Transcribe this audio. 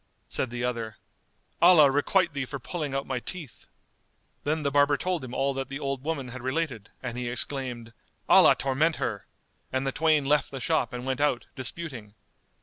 Said the other, "Allah requite thee for pulling out my teeth." Then the barber told him all that the old woman had related and he exclaimed, "Allah torment her!"; and the twain left the shop and went out, disputing.